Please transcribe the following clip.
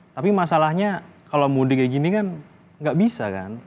tapi masalahnya kalau mudik kayak gini kan nggak bisa kan